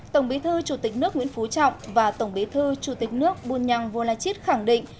tổng bí thư chủ tịch nước nguyễn phú trọng và tổng bí thư chủ tịch nước bunyang volachit khẳng định